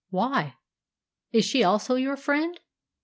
"Why?" "Is she also your friend?"